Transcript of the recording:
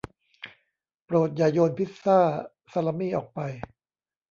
โปรดอย่าโยนพิซซ่าซาลามี่ออกไป